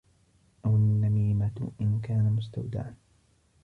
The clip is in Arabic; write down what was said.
أَوْ النَّمِيمَةُ إنْ كَانَ مُسْتَوْدَعًا